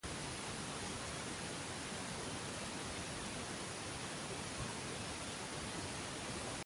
El protón migra al grupo hidroxilo del ácido que luego es eliminado como agua.